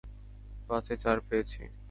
পাঁচে চার পেয়েছি!